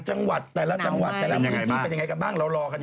เป็นอย่างไรบ้าง